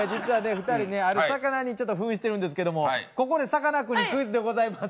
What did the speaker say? ２人ねある魚にちょっと扮してるんですけどもここでさかなクンにクイズでございます。